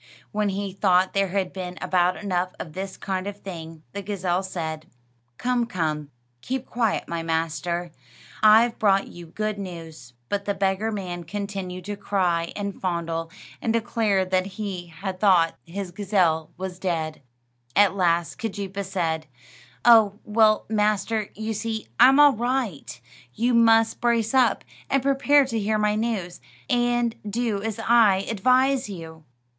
When he thought there had been about enough of this kind of thing, the gazelle said: "Come, come; keep quiet, my master. I've brought you good news." But the beggar man continued to cry and fondle, and declare that he had thought his gazelle was dead. At last Keejeepaa said: "Oh, well, master, you see I'm all right. You must brace up, and prepare to hear my news, and do as I advise you."